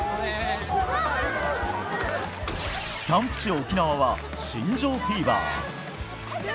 キャンプ地、沖縄は新庄フィーバー。